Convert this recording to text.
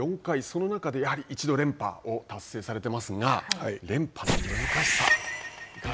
その中でやはり一度連覇を達成されてますが、連覇の難しさは。